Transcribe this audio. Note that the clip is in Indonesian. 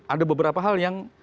ada beberapa hal yang